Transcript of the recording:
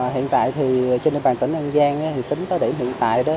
hiện tại thì trên địa bàn tỉnh an giang thì tính tới điểm hiện tại đó